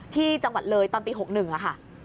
ที่จังหวัดเลยตอนปี๖๑ค่ะ